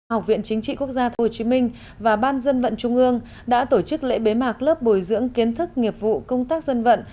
học viện chính trị quốc gia hồ chí minh và ban dân vận trung ương đã tổ chức lễ bế mạc lớp bồi dưỡng kiến thức nghiệp vụ công tác dân vận